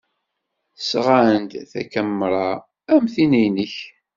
Sɣan-d takamra am tin-nnek.